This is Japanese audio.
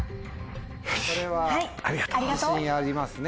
これは自信ありますね？